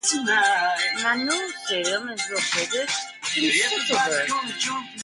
Manual Stadium is located in Schnitzelburg.